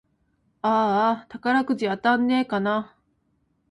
あーあ、宝くじ当たんねぇかな